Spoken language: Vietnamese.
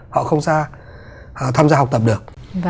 họ không ra tham gia học tập được